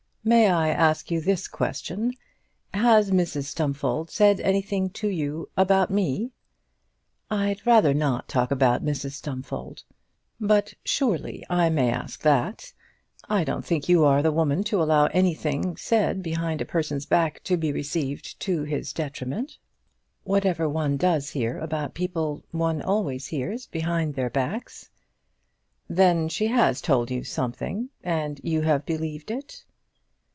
"May I ask you this question? Has Mrs Stumfold said anything to you about me?" "I'd rather not talk about Mrs Stumfold." "But, surely, I may ask that. I don't think you are the woman to allow anything said behind a person's back to be received to his detriment." "Whatever one does hear about people one always hears behind their backs." "Then she has told you something, and you have believed it?"